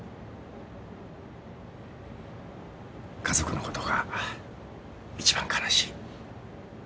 家族のことが一番悲しい。